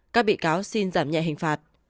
các bị cáo xin giảm nhẹ hình phạt